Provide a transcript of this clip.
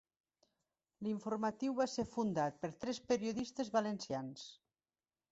L'Informatiu va ser fundat per tres periodistes valencians.